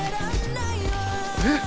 えっ？